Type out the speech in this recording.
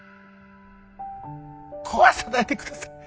壊さないでください。